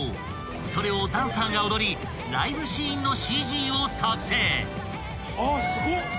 ［それをダンサーが踊りライブシーンのＣＧを作成］